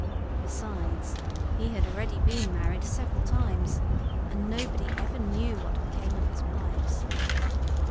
Besides, he had already been married several times, and nobody ever knew what became of his wives.